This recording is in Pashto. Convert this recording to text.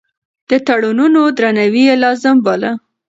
د تړونونو درناوی يې لازم باله.